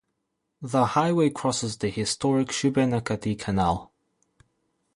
The highway crosses the Historic Shubenacadie Canal.